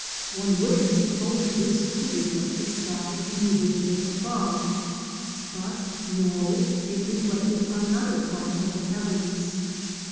One would have supposed this to reflect the sky immediately above. But no ; it reflected another part of the heavens.